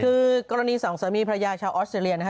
คือกรณีสองสามีพระยาชาวออสเตรเลียนะฮะ